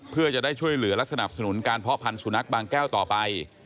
เพื่อจะได้ช่วยเหลือและสนับสนุนการเพาะพันธุนักบางแก้วต่อไป